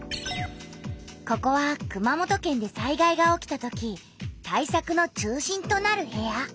ここは熊本県で災害が起きたとき対策の中心となる部屋。